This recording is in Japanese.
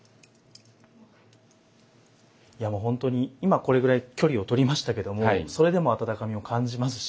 いやもうほんとに今これぐらい距離を取りましたけどもそれでも温かみを感じますし。